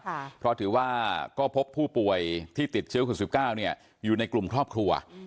เพราะถือว่าก็พบผู้ป่วยที่ติดเชื้อ๖๙อยู่ในกลุ่มครอบครัว